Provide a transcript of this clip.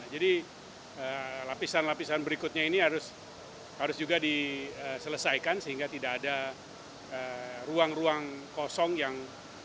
jadi lapisan lapisan berikutnya ini harus juga diselesaikan sehingga tidak ada ruang ruang kosong yang